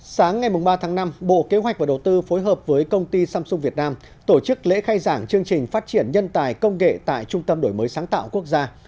sáng ngày ba tháng năm bộ kế hoạch và đầu tư phối hợp với công ty samsung việt nam tổ chức lễ khai giảng chương trình phát triển nhân tài công nghệ tại trung tâm đổi mới sáng tạo quốc gia